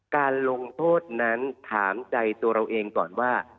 การลงโทษนั้นถามใจตัวเราเองก่อนว่า